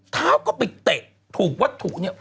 เท้าก็ไปเตะถูกวัตถุเนี่ย